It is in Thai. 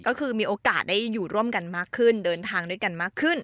ก็คือมีโอกาสได้อยู่ร่วมกันมากขึ้นเดินทางด้วยกันมากขึ้น